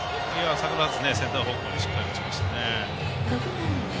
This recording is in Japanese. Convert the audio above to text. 逆らわずにセンター方向にしっかり打ちましたね。